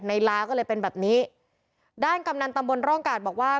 ลาก็เลยเป็นแบบนี้ด้านกำนันตำบลร่องกาดบอกว่า